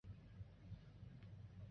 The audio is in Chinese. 这或将结束她的赛车生涯。